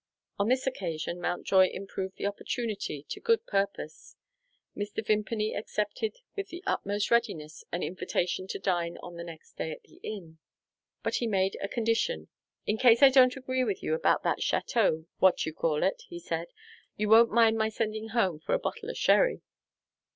On this occasion, Mountjoy improved the opportunity to good purpose. Mr. Vimpany accepted with the utmost readiness an invitation to dine on the next day at the inn. But he made a condition. "In case I don't agree with you about that Chateau what you call it," he said, "you won't mind my sending home for a bottle of sherry?"